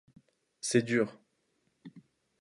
C’est dur.